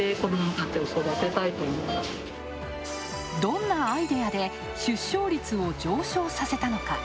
どんなアイデアで出生率を上昇させたのか。